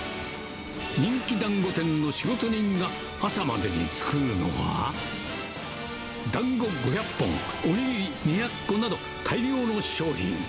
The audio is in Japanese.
人気だんご店の仕事人が朝までに作るのは、だんご５００本、お握り２００個など、大量の商品。